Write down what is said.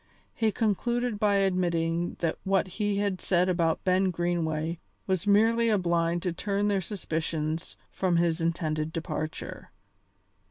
He concluded by admitting that what he had said about Ben Greenway was merely a blind to turn their suspicions from his intended departure.